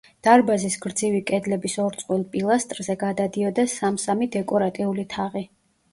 დარბაზის გრძივი კედლების ორ წყვილ პილასტრზე გადადიოდა სამ-სამი დეკორატიული თაღი.